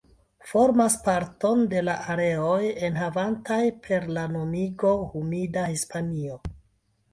Formas parton de la areoj enhavantaj per la nomigo "humida Hispanio".